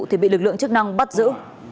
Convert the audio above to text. thì bị lực lượng chức năng bắt giữ